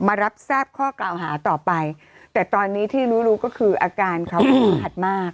รับทราบข้อกล่าวหาต่อไปแต่ตอนนี้ที่รู้รู้ก็คืออาการเขาสาหัสมาก